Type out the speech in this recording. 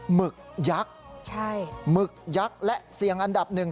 หึกยักษ์หมึกยักษ์และเสี่ยงอันดับหนึ่ง